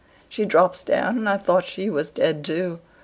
she drops down; and I thought she was dead too.